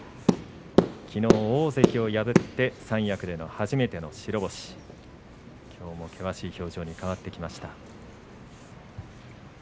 きのう、大関を破って三役での初めての白星きょうも険しい表情に変わってきました。